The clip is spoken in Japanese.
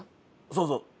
そうそう。